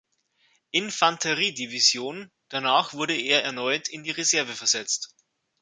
Infanterie-Division, danach wurde er erneut in die Reserve versetzt.